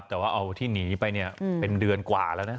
แต่ว่าเอาที่หนีไปเนี่ยเป็นเดือนกว่าแล้วนะ